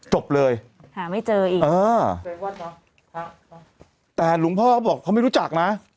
จบเลยหาไม่เจออีกเออแต่หลวงพ่อก็บอกเขาไม่รู้จักนะ